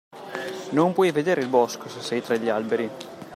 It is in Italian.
Non puoi vedere il bosco se sei tra gli alberi.